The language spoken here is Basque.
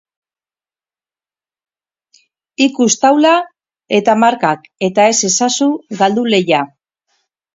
Ikus taula eta markak eta ez ezazu galdu lehia!